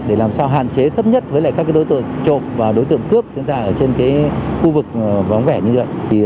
để làm sao hạn chế thấp nhất với các đối tượng trộm và đối tượng cướp diễn ra ở trên khu vực vắng vẻ như vậy